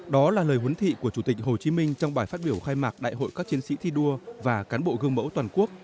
đó là lời huấn thị của chủ tịch hồ chí minh trong bài phát biểu khai mạc đại hội các chiến sĩ thi đua và cán bộ gương mẫu toàn quốc